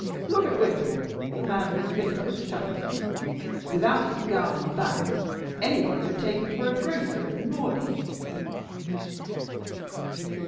Look at Wimple, the man who is vicar of Shuttleton without his gown and bands anybody would take him for a grocer in mourning."